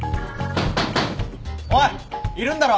おいいるんだろ！